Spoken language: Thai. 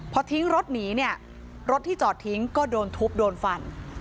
พอทิ้งรถหนีเนี่ยรถที่จอดทิ้งก็โดนทุบโดนฟัน